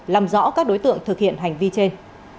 làm rõ các đối tượng thực hiện hành vi trên